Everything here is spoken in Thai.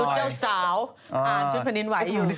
เจ้าสาวอ่านชุดแผ่นดินไหวอยู่